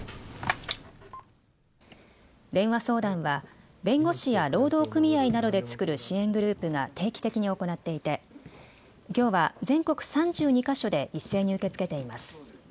電話相談は弁護士や労働組合などで作る支援グループが定期的に行っていてきょうは全国３２か所で一斉に受け付けています。